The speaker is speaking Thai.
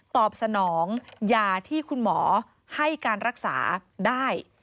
ตอบสนองยาที่คุณหมอให้การรักษาได้